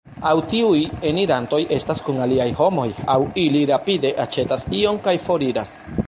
Aŭ tiuj enirantoj estas kun aliaj homoj, aŭ ili rapide aĉetas ion kaj foriras.